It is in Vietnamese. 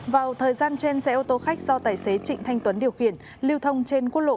vào thời gian trên xe ô tô khách do tài xế trịnh thanh tuấn điều khiển lưu thông trên quốc lộ chín mươi một